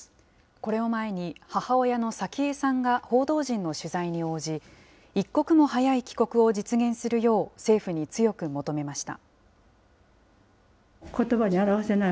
これを前に、母親の早紀江さんが報道陣の取材に応じ、一刻も早い帰国を実現するよう、政府に強く求めました。